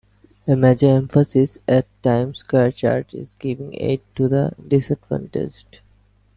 A major emphasis at Times Square Church is giving aid to the disadvantaged.